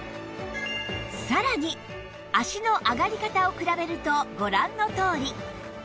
さらに脚の上がり方を比べるとご覧のとおり